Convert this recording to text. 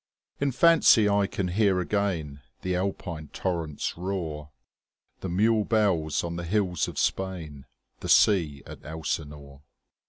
In fancy I can hear again The Alpine torrent's roar, The mule bells on the hills of Spain, 15 The sea at Elsinore.